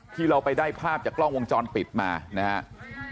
ที่เราไปได้ภาพจากกล้องวงจรปิดมานะครับ